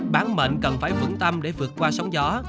bán mệnh cần phải vững tâm để vượt qua sóng gió